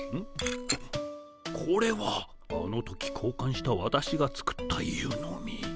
これはあの時こうかんしたわたしが作った湯飲み。